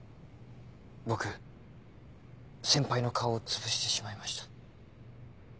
僕先輩の顔をつぶしてしまいました。